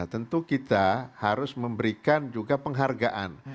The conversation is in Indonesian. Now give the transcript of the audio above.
tentu kita harus memberikan juga penghargaan